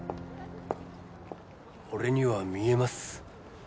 俺には見えます